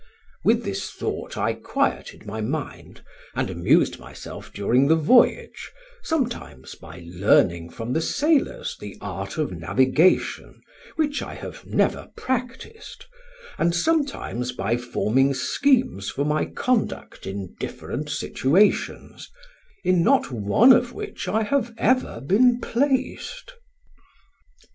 "With this thought I quieted my mind, and amused myself during the voyage, sometimes by learning from the sailors the art of navigation, which I have never practised, and sometimes by forming schemes for my conduct in different situations, in not one of which I have been ever placed.